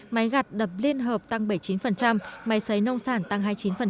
máy gặt đập liên hợp tăng bảy mươi chín máy xấy nông sản tăng hai mươi chín